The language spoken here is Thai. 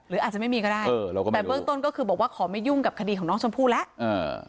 เออเราก็ไม่รู้แต่เบิ้ลต้นก็คือบอกว่าขอไม่ยุ่งกับคดีของน้องชมพู่แล้วเออ